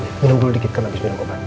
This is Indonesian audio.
ih minum dulu sedikit kan habis minum obat